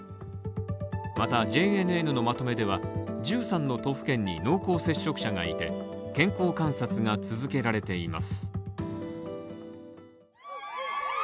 また、ＪＮＮのまとめでは、１３の都府県に濃厚接触者がいて、健康観察が続けられています。